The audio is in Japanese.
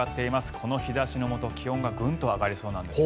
この日差しのもと気温がグンと上がりそうです。